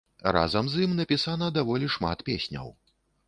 Разам з ім напісана даволі шмат песняў.